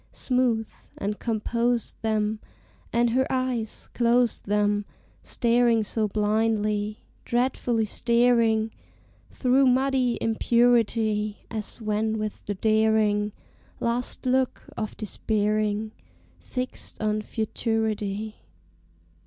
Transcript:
Smooth and compose them; And her eyes, close them, Staring so blindly! Dreadfully staring Through muddy impurity, As when with the daring Last look of despairing Fixed on futurity.